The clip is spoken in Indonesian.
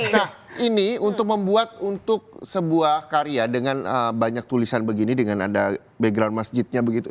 nah ini untuk membuat untuk sebuah karya dengan banyak tulisan begini dengan ada background masjidnya begitu